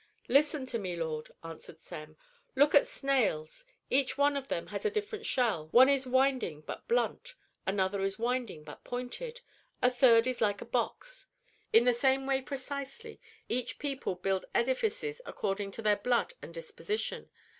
"Listen to me, lord," answered Sem. "Look at snails, each one of them has a different shell: one is winding, but blunt; another is winding, but pointed; a third is like a box. In the same way precisely each people build edifices according to their blood and disposition.